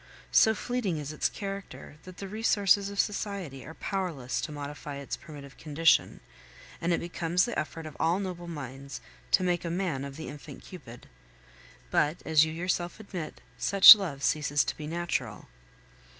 So fleeting is its character, that the resources of society are powerless to modify its primitive condition, and it becomes the effort of all noble minds to make a man of the infant Cupid. But, as you yourself admit, such love ceases to be natural.